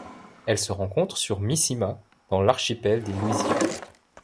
Elle se rencontre sur Misima dans l'archipel des Louisiades.